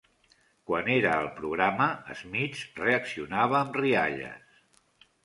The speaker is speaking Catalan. Quan era al programa, Schmitz reaccionava amb rialles.